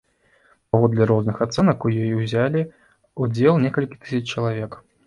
Паводле розных ацэнак, у ёй узялі ўдзел некалькі тысяч чалавек.